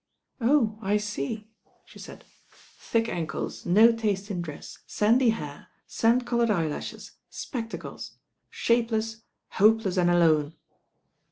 "Oh, I see," she said. "Thick ankles, no taste in dress, sandy hair, sand coloured eyelashes, spectacles. Shapeless, hopeless and alone."